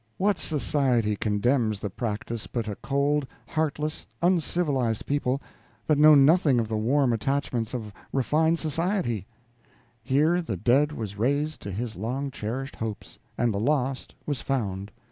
What society condemns the practice but a cold, heartless, uncivilized people that know nothing of the warm attachments of refined society? Here the dead was raised to his long cherished hopes, and the lost was found.